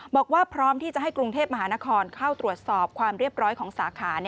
บอกว่าพร้อมที่จะให้กรุงเทพมหานครเข้าตรวจสอบความเรียบร้อยของสาขา